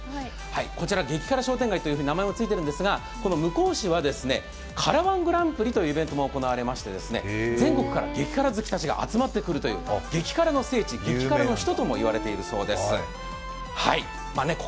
こちら激辛商店街というふうに名前がついているんですがこちら向日市は「ＫＡＲＡ−１グランプリ」というイベントが行われまして、全国から激辛好きたちが集まってくるという、激辛の聖地、激辛の首都とも呼ばれているようです。